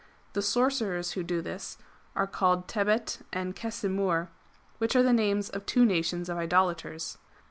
The sorcerers who do this are called Tebet and Kesimur, which are the names of two nations of Idolaters.